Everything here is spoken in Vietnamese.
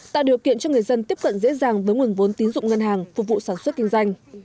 tạo điều kiện cho người dân tiếp cận dễ dàng với nguồn vốn tín dụng ngân hàng phục vụ sản xuất kinh doanh